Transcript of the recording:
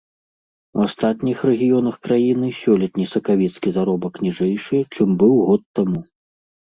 У астатніх рэгіёнах краіны сёлетні сакавіцкі заробак ніжэйшы, чым быў год таму.